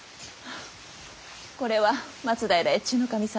これは松平越中守様。